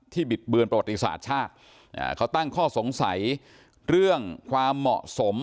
บิดเบือนประวัติศาสตร์ชาติเขาตั้งข้อสงสัยเรื่องความเหมาะสม